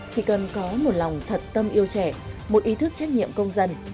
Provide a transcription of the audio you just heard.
chỉ cần có một lòng thật tâm yêu trẻ một ý thức trách nhiệm công dân